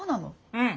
うん。